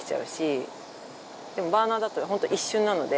でも、バーナーだったら本当、一瞬なので。